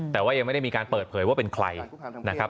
แต่ว่ายังไม่ได้มีการเปิดเผยว่าเป็นใครนะครับ